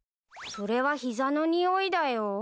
それは膝のにおいだよ。